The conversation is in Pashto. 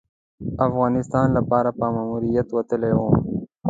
د افغانستان لپاره په ماموریت وتلی وم.